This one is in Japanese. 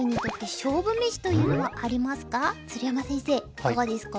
いかがですか？